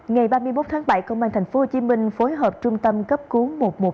ngày ba mươi một tháng bảy công an tp hcm phối hợp trung tâm cấp cứu một trăm một mươi hai